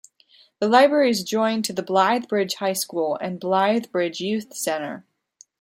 The library is joined to Blythe Bridge High School and Blythe Bridge Youth Centre.